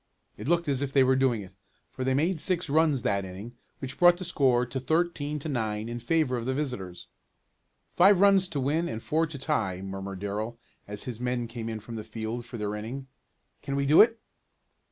It looked as if they were doing it, for they made six runs that inning, which brought the score to thirteen to nine in favor of the visitors. "Five runs to win, and four to tie," murmured Darrell as his men came in from the field for their inning. "Can we do it?"